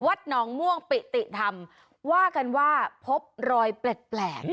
หนองม่วงปิติธรรมว่ากันว่าพบรอยแปลก